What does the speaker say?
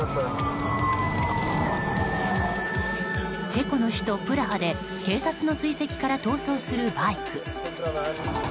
チェコの首都プラハで警察の追跡から逃走するバイク。